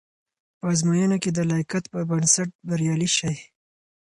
په ازموینو کې د لایقت پر بنسټ بریالي شئ.